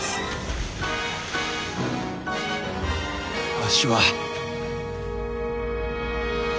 わしは。